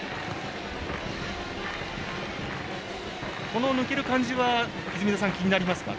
この抜ける感じは泉田さん、気になりますか。